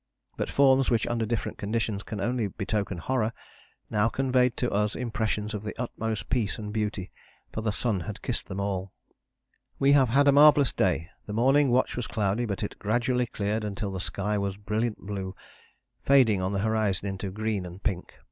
But forms which under different conditions can only betoken horror now conveyed to us impressions of the utmost peace and beauty, for the sun had kissed them all. "We have had a marvellous day. The morning watch was cloudy, but it gradually cleared until the sky was a brilliant blue, fading on the horizon into green and pink.